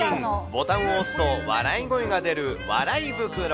ボタンを押すと笑い声が出る、笑い袋。